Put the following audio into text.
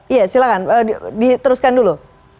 iya silahkan diteruskan dulu